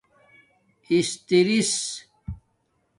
استرس